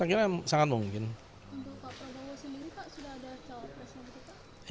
untuk prabowo sendiri sudah ada cawapres yang berduka